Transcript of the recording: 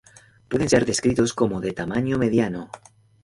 Pueden ser descritos como de tamaño mediano.